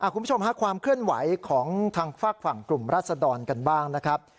คุณผู้ชมค่ะความเคลื่อนไหวของทางฝากฝั่งกลุ่มรัศดรกันบ้างนะครับ